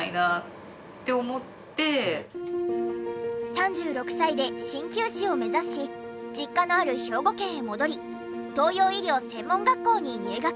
３６歳で鍼灸師を目指し実家のある兵庫県へ戻り東洋医療専門学校に入学。